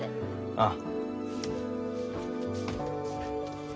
ああ。